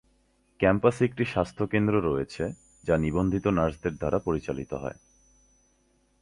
ক্যাম্পাসে একটি স্বাস্থ্য কেন্দ্র রয়েছে, যা নিবন্ধিত নার্সদের দ্বারা পরিচালিত হয়।